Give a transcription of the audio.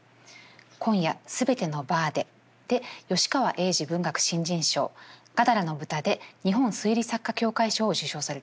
「今夜、すべてのバーで」で吉川英治文学新人賞「ガダラの豚」で日本推理作家協会賞を受賞されています。